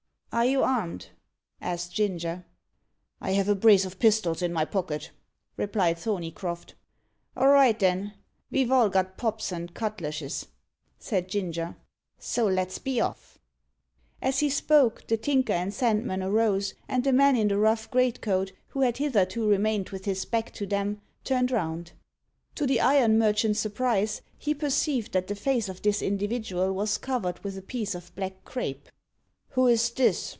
"Are you armed?" asked Ginger. "I have a brace of pistols in my pocket," replied Thorneycroft. "All right, then ve've all got pops and cutlashes," said Ginger. "So let's be off." As he spoke, the Tinker and Sandman arose; and the man in the rough greatcoat, who had hitherto remained with his back to them, turned round. To the iron merchant's surprise, he perceived that the face of this individual was covered with a piece of black crape. "Who is this?"